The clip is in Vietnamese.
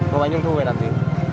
mua bánh trung thu về làm gì